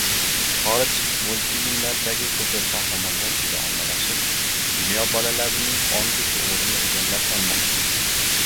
– Xorij multfilmlaridagi superqahramonlar juda ommalashib, dunyo bolalarining ongu shuurini egallab olmoqda.